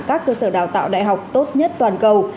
các cơ sở đào tạo đại học tốt nhất toàn cầu